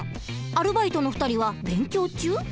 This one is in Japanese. アルバイトの２人は勉強中？